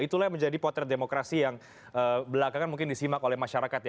itulah yang menjadi potret demokrasi yang belakangan mungkin disimak oleh masyarakat ya